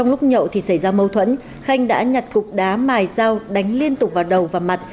lúc nhậu thì xảy ra mâu thuẫn khanh đã nhặt cục đá mài dao đánh liên tục vào đầu và mặt